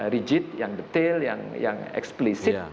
rigid yang detail yang eksplisit